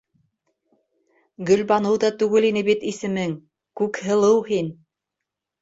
Гөлбаныу ҙа түгел ине бит исемең: Күкһылыу һин!